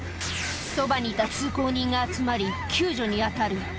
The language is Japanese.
そばにいた通行人が集まり救助に当たる。